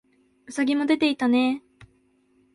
兎もでていたねえ